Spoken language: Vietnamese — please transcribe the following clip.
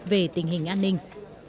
về tình hình an ninh